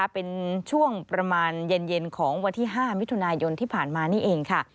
เป็นช่วงประมาณเย็นของวันที่๕มิถุนายนที่ผ่านมานี่เองค่ะ